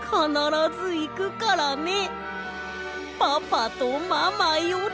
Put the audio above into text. パパとママより」。